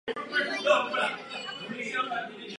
Obec je tak přifařena do farnosti Rousínov u Vyškova.